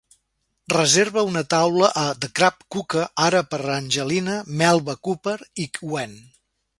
reserva una taula a The Crab Cooker ara per a Angelina, Melva Cooper i Gwen